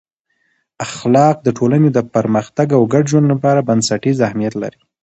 اخلاق د ټولنې د پرمختګ او ګډ ژوند لپاره بنسټیز اهمیت لري.